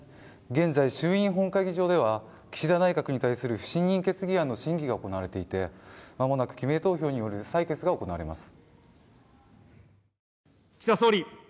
現在、衆院本会議場では岸田内閣に対する不信任決議案の審議が行われていて間もなく記名投票による採決が行われます。